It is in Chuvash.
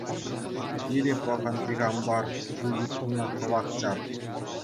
Пире пӑхан Пихампар, ху йыттуна хӑвах чар.